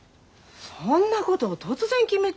そんなこと突然決めて。